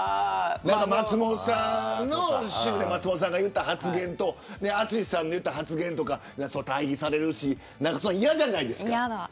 松本さんの週で松本さんが言った発言と淳さんの言った発言とか対比されるしそういうの嫌じゃないですか。